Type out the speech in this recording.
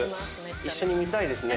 一緒に見たいですね。